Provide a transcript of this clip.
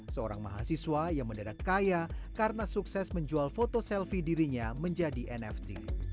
seorang mahasiswa yang mendadak kaya karena sukses menjual foto selfie dirinya menjadi nft